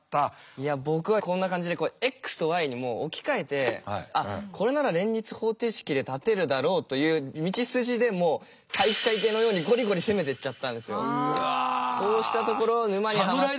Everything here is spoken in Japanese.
いや僕はこんな感じでこうｘとｙにもう置き換えてあっこれなら連立方程式で立てるだろうという道筋でもうそうしたところ沼にはまって。